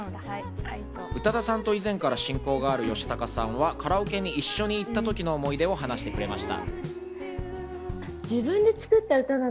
宇多田さんと以前から親交がある吉高さんはカラオケに一緒に行った時の思い出を話してくれました。